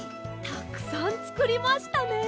たくさんつくりましたね。